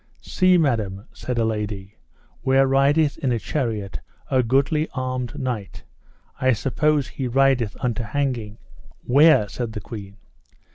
See, madam, said a lady, where rideth in a chariot a goodly armed knight; I suppose he rideth unto hanging. Where? said the queen.